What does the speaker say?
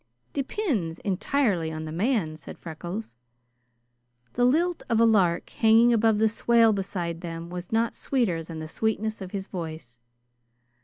"Depinds entirely on the man," said Freckles. The lilt of a lark hanging above the swale beside them was not sweeter than the sweetness of his voice.